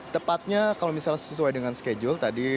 tepatnya kalau misalnya sesuai dengan schedule tadi